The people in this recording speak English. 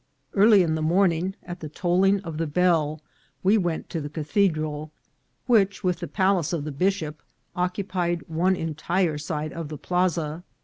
Early in the morning, at the tolling of the bell, we went to the Cathedral, which, with the palace of the bishop, occupied one entire side of the plaza.